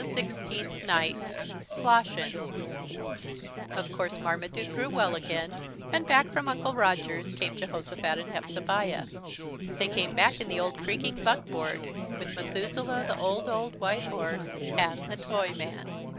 SIXTEENTH NIGHT SLOSHIN' Of course Marmaduke grew well again, and back from Uncle Roger's came Jehosophat and Hepzebiah. They came back in the old creaking buckboard with Methuselah the old, old white horse, and the Toyman.